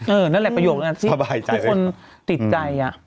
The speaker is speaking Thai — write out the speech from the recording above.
เออนั่นแหละประโยคที่ทุกคนติดใจ